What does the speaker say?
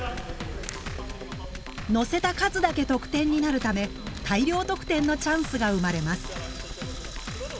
のせた数だけ得点になるため大量得点のチャンスが生まれます。